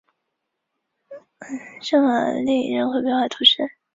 圣玛丽人口变化图示